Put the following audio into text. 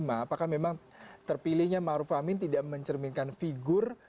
apakah memang terpilihnya ma'ruf amin tidak mencerminkan figur